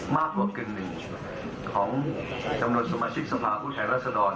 มากกว่ากึ่งหนึ่งของจำนวนสมาชิกสภาพผู้แทนรัศดร